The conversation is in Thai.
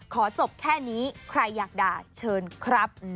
ขอจบแค่นี้ใครอยากด่าเชิญครับ